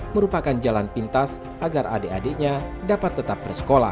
merupakan jalan pintas agar adik adiknya dapat tetap bersekolah